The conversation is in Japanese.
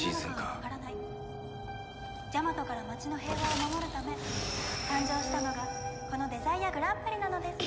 「ジャマトから町の平和を守るため誕生したのがこのデザイアグランプリなのです」